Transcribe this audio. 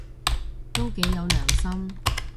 都幾有良心